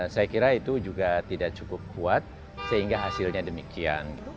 saya kira itu juga tidak cukup kuat sehingga hasilnya demikian